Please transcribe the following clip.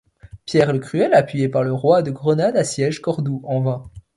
Pierre le Cruel, appuyé par le roi de Grenade assiège Cordoue, en vain.